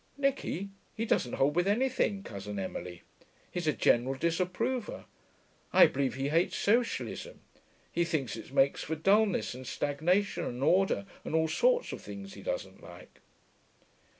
'Nicky? He doesn't hold with anything, Cousin Emily; he's a general disapprover. I believe he hates socialism; he thinks it makes for dullness and stagnation and order and all sorts of things he doesn't like.'